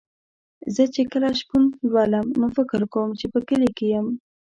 زه چې کله شپون لولم نو فکر کوم چې په کلي کې یم.